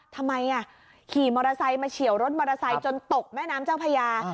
ทำไมขี่มอเตอร์ไซค์มาเฉียวรถมอเตอร์ไซค์จนตกแม่น้ำเจ้าพญา